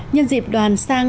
nhân dịp đoàn sang